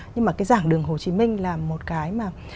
nhưng mà cái giảng đường hồ chí minh là một cái mà